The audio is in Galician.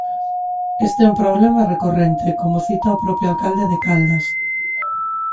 Este é un problema recorrente, como cita o propio alcalde de Caldas.